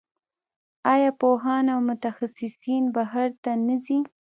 آیا پوهان او متخصصین بهر ته نه ځي؟